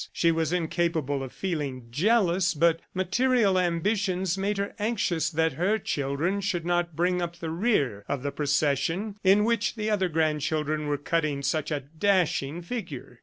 She was incapable of feeling jealous, but material ambitions made her anxious that her children should not bring up the rear of the procession in which the other grandchildren were cutting such a dashing figure.